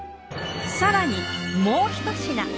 更にもうひと品。